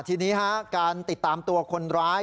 ทีนี้การติดตามตัวคนร้าย